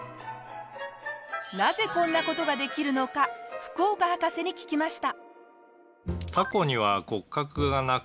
なぜこんな事ができるのか福岡博士に聞きました。